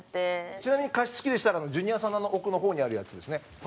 ちなみに、加湿器でしたらジュニアさんの奥の方にあるやつですね。